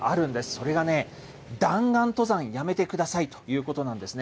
それがね、弾丸登山やめてくださいということなんですね。